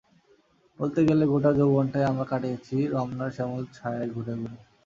বলতে গেলে গোটা যৌবনটাই আমরা কাটিয়েছি রমনার শ্যামল ছায়ায় ঘুরে ঘুরে।